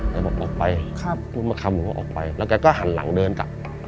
บอกออกไปกูมาคำหัวออกไปแล้วแกก็หันหลังเดินกลับ